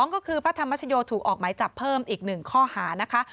ก็คือพระธรรมชโยถูกออกหมายจับเพิ่มอีก๑ข้อหานะคะ